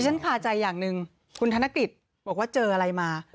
คาใจอย่างหนึ่งคุณธนกฤษบอกว่าเจออะไรมา